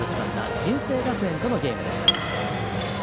尽誠学園とのゲームでした。